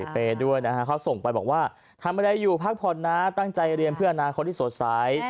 เปย์ด้วยนะฮะเขาส่งไปบอกว่าทำอะไรอยู่พักผ่อนนะตั้งใจเรียนเพื่ออนาคตที่สดใส